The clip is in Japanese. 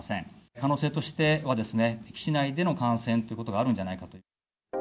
可能性としては、基地内での感染ということがあるんじゃないかと。